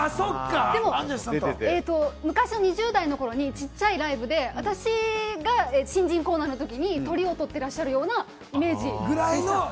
２０代の頃にちっちゃいライブで、私が新人コーナーのときにトリを取ってらっしゃるようなイメージ。